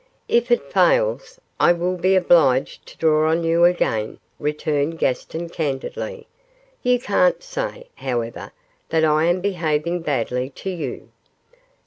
'If it fails, I will be obliged to draw on you again,' returned Gaston, candidly; 'you can't say, however, that I am behaving badly to you.